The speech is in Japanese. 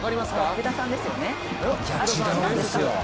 福田さんですよね？